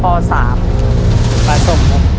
ปลาส้มครับ